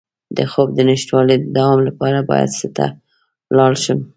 د خوب د نشتوالي د دوام لپاره باید چا ته لاړ شم؟